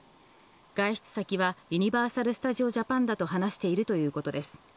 外出先は、ユニバーサル・スタジオ・ジャパンだと話しているということです。